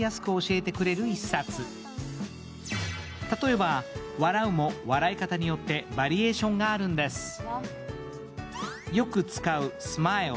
例えば「笑う」も笑い方によってバリエーションがあるんです。